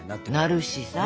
なるしさ。